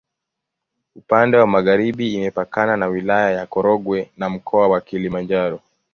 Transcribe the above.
Upande wa magharibi imepakana na Wilaya ya Korogwe na Mkoa wa Kilimanjaro.